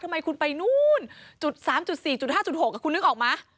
ทำไมคุณไปนู่นจุด๓๔๕๖คุณนึกออกไหม